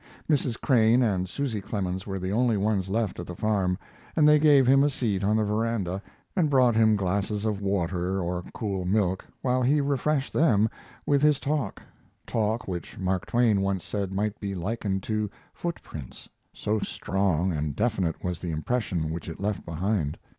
Mrs. Crane and Susy Clemens were the only ones left at the farm, and they gave him a seat on the veranda and brought him glasses of water or cool milk while he refreshed them with his talk talk which Mark Twain once said might be likened to footprints, so strong and definite was the impression which it left behind.